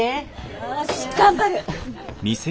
よし頑張る！